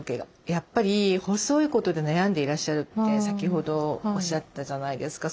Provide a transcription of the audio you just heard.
やっぱり細いことで悩んでいらっしゃるって先ほどおっしゃってたじゃないですか。